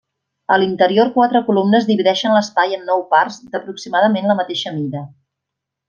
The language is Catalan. A l'interior quatre columnes divideixen l'espai en nou parts d'aproximadament la mateixa mida.